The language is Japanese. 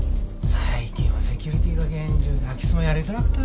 最近はセキュリティーが厳重で空き巣もやりづらくて。